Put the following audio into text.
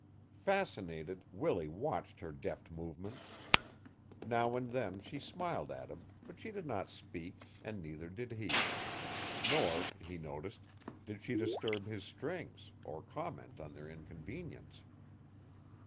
Fascinated Willie watched her deft movements. Now and then she smiled at him but she did not speak and neither did he; nor, he noticed, did she disturb his strings or comment on their inconvenience.